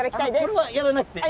これはやらなくていい。